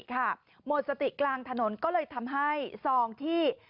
หมดสติกลางถนนก็เลยทำให้ซองที่